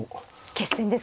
決戦ですか？